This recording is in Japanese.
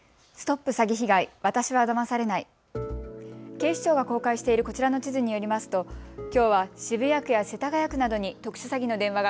警視庁が公開しているこちらの地図によりますときょうは渋谷区や世田谷区などに特殊詐欺の電話が